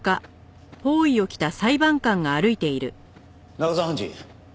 中澤判事。